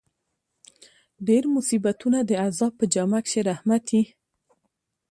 ډېر مصیبتونه د عذاب په جامه کښي رحمت يي.